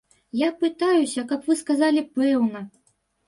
Я пытаюся, каб вы сказалі пэўна!